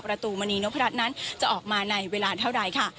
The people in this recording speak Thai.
ประตูมณีนกพระรัชน์นั้นจะออกมาในเวลาเท่าไหร่ค่ะ